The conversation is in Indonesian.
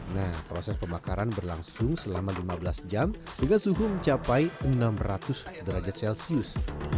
nah proses pembakaran berlangsung selama lima belas jam dengan suhu mencapai enam ratus derajat celcius